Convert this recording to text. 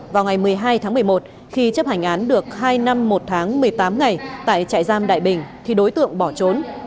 vào ngày một mươi hai tháng một mươi một khi chấp hành án được hai năm một tháng một mươi tám ngày tại trại giam đại bình thì đối tượng bỏ trốn